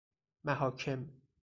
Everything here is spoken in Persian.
محاکم